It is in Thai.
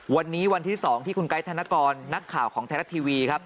วันนี้วันที่๒ที่คุณไกด์ธนกรนักข่าวของไทยรัฐทีวีครับ